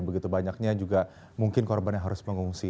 begitu banyaknya juga mungkin korban yang harus mengungsi